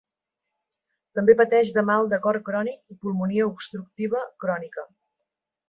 També pateix de mal de cor crònic i pulmonia obstructiva crònica.